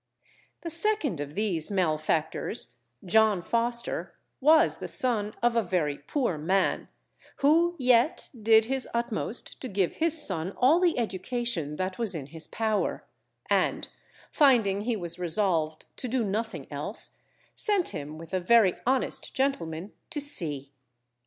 The second of these malefactors, John Foster, was the son of a very poor man, who yet did his utmost to give his son all the education that was in his power; and finding he was resolved to do nothing else, sent him with a very honest gentleman to sea.